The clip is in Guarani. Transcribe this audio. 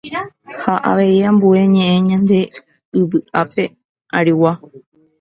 ha avei ambue ñe'ẽ ñande yvy ape arigua.